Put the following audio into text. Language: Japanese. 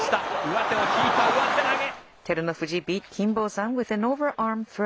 上手を引いた、上手投げ。